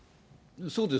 そうです。